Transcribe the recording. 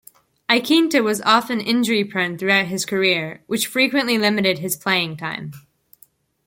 Iaquinta was often injury-prone throughout his career, which frequently limited his playing time.